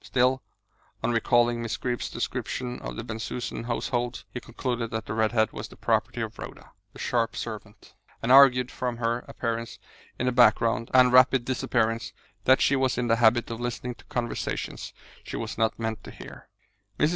Still, on recalling Miss Greeb's description of the Bensusan household, he concluded that the red head was the property of Rhoda, the sharp servant, and argued from her appearance in the background, and rapid disappearance, that she was in the habit of listening to conversations she was not meant to hear. Mrs.